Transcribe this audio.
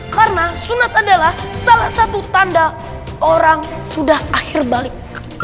karena sunat adalah salah satu tanda orang sudah akhir balik